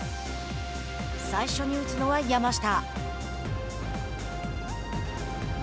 最初に打つのは山下。